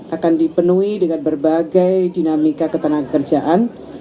akan dipenuhi dengan berbagai dinamika ketenaga kerjaan